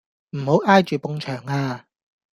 唔好挨住埲牆啊